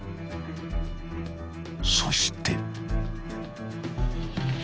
［そして］